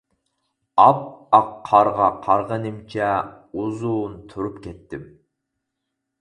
ئاپئاق قارغا قارىغىنىمچە ئۇزۇن تۇرۇپ كەتتىم.